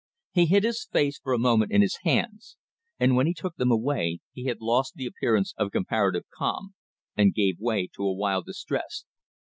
." He hid his face for a moment in his hands, and when he took them away he had lost the appearance of comparative calm and gave way to a wild distress.